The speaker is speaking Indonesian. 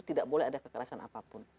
tidak boleh ada kekerasan apapun